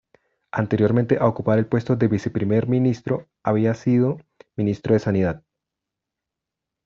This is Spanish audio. Anteriormente a ocupar el puesto de viceprimer ministro había sido ministro de sanidad.